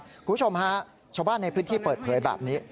คุณผู้ชมฮะชาวบ้านในพื้นที่เปิดเผยแบบนี้